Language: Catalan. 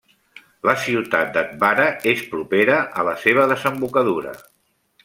La ciutat d'Atbara és propera a la seva desembocadura.